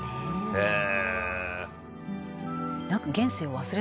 へえ。